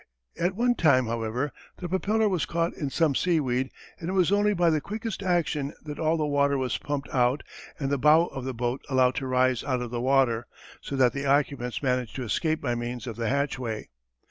At one time, however, the propeller was caught in some seaweed and it was only by the quickest action that all the water was pumped out and the bow of the boat allowed to rise out of the water, so that the occupants managed to escape by means of the hatchway.